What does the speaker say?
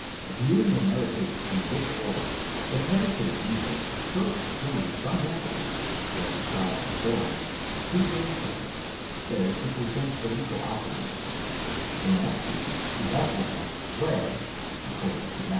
Viewing the narratives in this order, the parents of Jesus first journeyed from LDethlehem, where the child was. born, to Jerusalem, there to present the legal offerings; they next returned to Bethlehem, where (according to Matt.